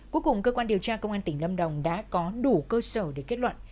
cuối cùng cơ quan điều tra công an tỉnh lâm đồng đã có đủ cơ sở để kết luận